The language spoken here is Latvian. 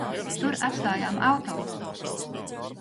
Tur atstājām auto.